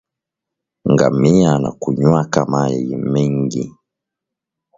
Ngamia anakunywaka mayi mingi